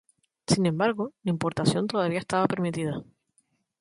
Sin embargo, la importación todavía estaba permitida.